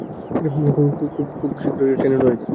খুব শীঘ্রই টর্নেডো আসবে।